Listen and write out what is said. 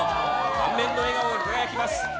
満面の笑顔が輝きます。